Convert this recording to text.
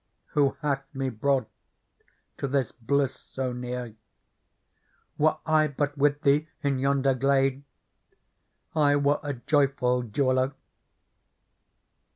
Who hath me brought to thi? bliss so near : Were I but with thee in yonder glade, I were a joyful jeweller."